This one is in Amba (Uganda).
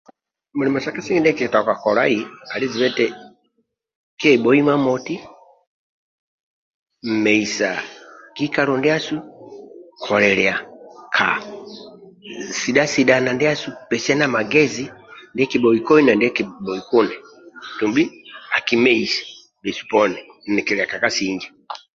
Mulimo sa kasinge ndikikitoka kolai andi siba eti kiebhoi mamoti meisa kikalo ndiasu doisa ka pesiana magezi ndikibhoi koi na ndikibhoi kuni dumbi akimeise bhesu poni nikilia ka kasinge.